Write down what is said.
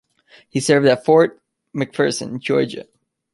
He served at Fort McPherson, Georgia.